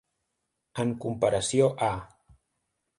En comparació a.